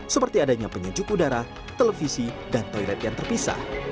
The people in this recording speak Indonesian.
seperti adanya penyejuk udara televisi dan toilet yang terpisah